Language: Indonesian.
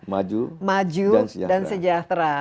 maju dan sejahtera